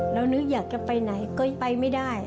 นึกอยากจะไปไหนก็ไปไม่ได้